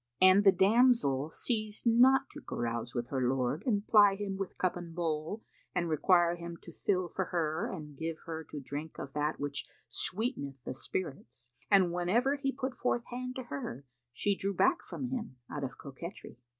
'" And the damsel ceased not to carouse with her lord and ply him with cup and bowl and require him to fill for her and give her to drink of that which sweeteneth the spirits, and whenever he put forth hand to her, she drew back from him, out of coquetry.